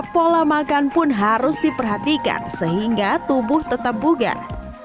pola makan pun harus diperhatikan sehingga tubuh tetap bugar